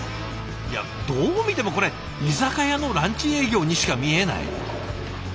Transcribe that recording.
いやどう見てもこれ居酒屋のランチ営業にしか見えない。